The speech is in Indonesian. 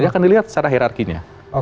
dia akan dilihat secara hirarkinya